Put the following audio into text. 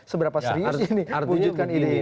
seberapa serius ini